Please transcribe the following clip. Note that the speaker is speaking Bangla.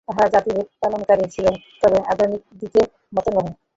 তাঁহারাও জাতিভেদলোপকারী ছিলেন, তবে আধুনিকদিগের মত নহে।